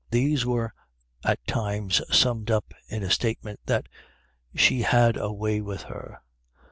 These were at times summed up in a statement that she had a way with her.